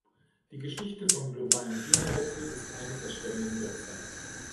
Die Geschichte vom globalen Klimawechsel ist eine Verschwendung der Zeit.